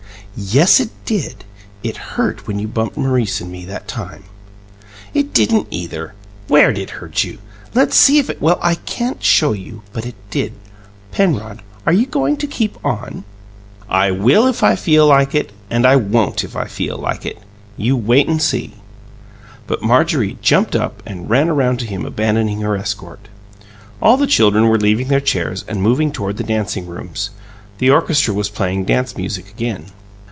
"Yes, it did. It hurt when you bumped Maurice and me that time." "It didn't either. WHERE'D it hurt you? Let's see if it " "Well, I can't show you, but it did. Penrod, are you going to keep on?" Penrod's heart had melted within him; but his reply was pompous and cold. "I will if I feel like it, and I won't if I feel like it. You wait and see." But Marjorie jumped up and ran around to him abandoning her escort. All the children were leaving their chairs and moving toward the dancing rooms; the orchestra was playing dance music again.